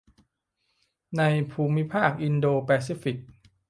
ในภูมิภาคอินโดแปซิฟิก